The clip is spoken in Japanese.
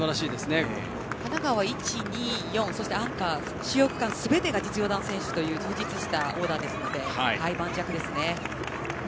神奈川は１、２、４そしてアンカー主要区間すべて実業団選手と充実しているので盤石ですね。